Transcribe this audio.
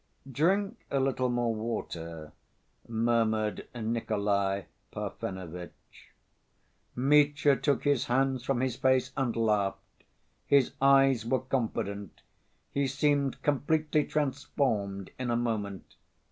"Drink a little more water," murmured Nikolay Parfenovitch. Mitya took his hands from his face and laughed. His eyes were confident. He seemed completely transformed in a moment.